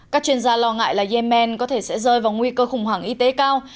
các chuyên gia lo ngại là yemen có thể sẽ rơi vào nguy cơ khủng hoảng y tế cao